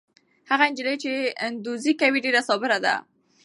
هغه نجلۍ چې دوزي کوي ډېره صابره ده.